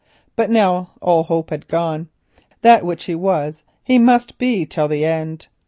But now all hope had gone, that which he was he must be till the end.